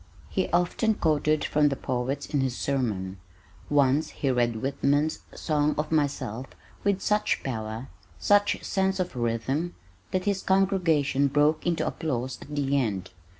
He often quoted from the poets in his sermon. Once he read Whitman's "Song of Myself" with such power, such sense of rhythm that his congregation broke into applause at the end.